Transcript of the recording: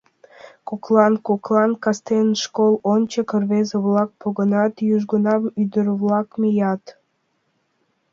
Коклан-коклан кастен школ ончык рвезе-влак погынат, южгунам ӱдыр-влакат мият.